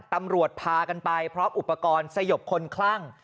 ตำรวจพากันไปพร้อมอุปกรณ์สยบคนคลั่ง